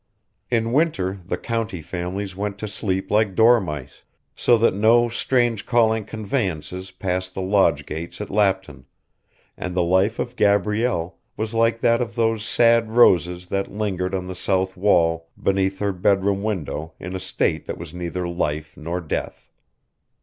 In winter the county families went to sleep like dormice, so that no strange calling conveyances passed the lodge gates at Lapton, and the life of Gabrielle was like that of those sad roses that lingered on the south wall beneath her bedroom window in a state that was neither life nor death.